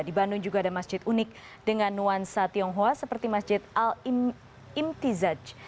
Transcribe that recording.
di bandung juga ada masjid unik dengan nuansa tionghoa seperti masjid al imtizaj